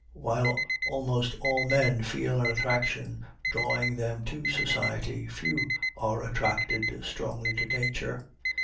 While almost all men feel an attraction drawing them to society, few are attracted strongly to Nature.